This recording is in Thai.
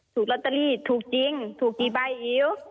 ถูกลอตเตอรี่ถูกจริงถูกกี่ใบอิ๋ว